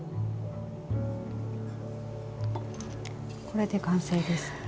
これで完成ですね。